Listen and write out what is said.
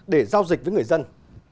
để giao dịch với người dân